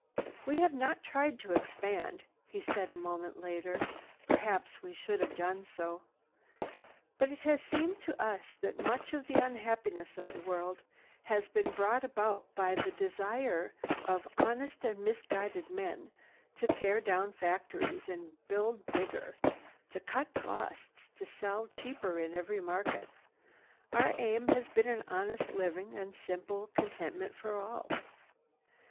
"We have not tried to expand," he said a moment later. "Perhaps we should have done so. But it has seemed to us that much of the unhappiness of the world has been brought about by the desire of honest but misguided men to tear down factories and build bigger, to cut costs, to sell cheaper in every market. Our aim has been an honest living, and simple contentment for all."